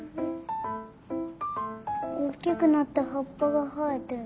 おっきくなってはっぱがはえてる。